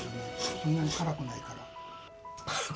そんなにからくないから。